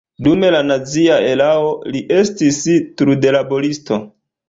Dum la nazia erao li estis trudlaboristo.